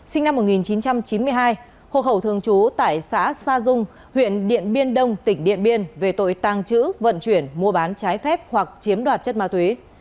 sinh năm một nghìn chín trăm chín mươi hai hộ khẩu thường trú tại xã sa dung huyện điện biên đông tỉnh điện biên về tội tàng trữ vận chuyển mua bán trái phép hoặc chiếm đoạt chất ma túy